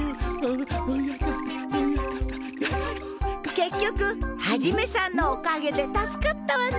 けっ局ハジメさんのおかげで助かったわね。